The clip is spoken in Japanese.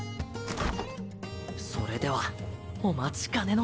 それではお待ちかねの。